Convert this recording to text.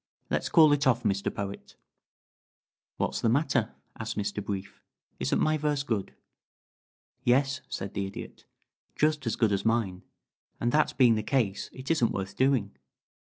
Let's call it off, Mr. Poet." "What's the matter?" asked Mr. Brief. "Isn't my verse good?" "Yes," said the Idiot. "Just as good as mine, and that being the case it isn't worth doing.